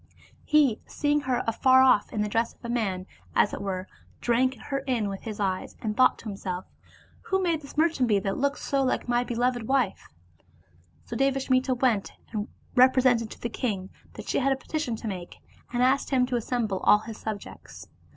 He seeing her afar off in the dress of a man, as it were, drank her in with his eyes, and thought to himself, " Who may this merchant be that looks so like my beloved wife?" So Devasmita went and represented to the king that she had a petition to make, and asked him to assemble all his subjects.